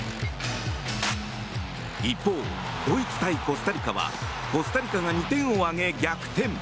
一方、ドイツ対コスタリカはコスタリカが２点を挙げ、逆転。